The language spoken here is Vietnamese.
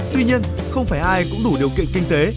tuy nhiên không phải ai cũng đủ điều kiện kinh tế